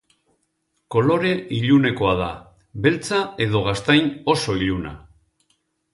Kolore ilunekoa da, beltza edo gaztain oso iluna.